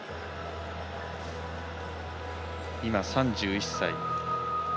今、３１歳。